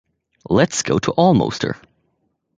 Let's go to Almoster.